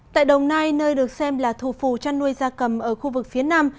tại đồng nai nơi được xem là thù phù chăn nuôi da cầm ở khu vực phía nam